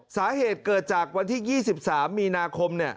สาเหตุเกิดจากวันที่๒๓มีนาคม